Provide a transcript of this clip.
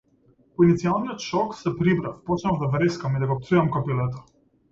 По иницијалниот шок, се прибрав, почнав да врескам и да го пцујам копилето.